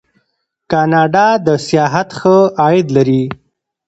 کاناډا د سیاحت ښه عاید لري.